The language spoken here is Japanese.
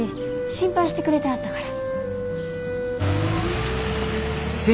心配してくれてはったから。